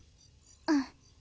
うん。